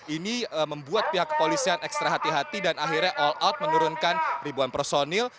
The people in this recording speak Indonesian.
ini membuat pihak kepolisian ekstra hati hati dan akhirnya all out menurunkan ribuan personil